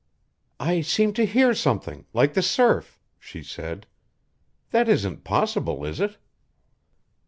"I seem to hear something like the surf," she said. "That isn't possible, is it?"